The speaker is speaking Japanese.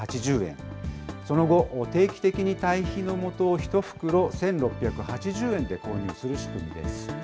その後、定期的に堆肥のもとを１袋１６８０円で購入する仕組みです。